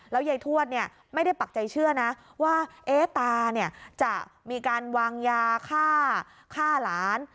แล้วยายทวดเนี่ยไม่ได้ปักใจเชื่อนะว่าเอ๊ตาเนี่ยจะมีการวางยาฆ่าหลาน